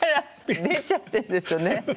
出ちゃってんですよね。